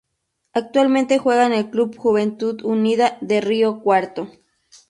Actualmente juega en el Club Juventud Unida de Río Cuarto.